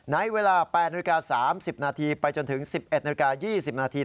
ในเวลา๘นาที๓๐นาทีไปจนถึง๑๑นาที๒๐นาที